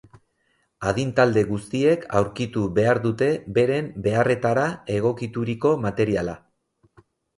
Adin-talde guztiek aurkitu behar dute beren beharretara egokituriko materiala.